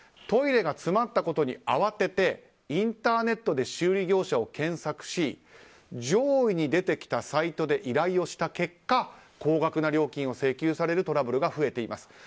トイレが詰まったことに慌ててインターネットで修理業者を検索し上位に出てきたサイトで依頼をした結果高額な料金を請求されるトラブルが増えています。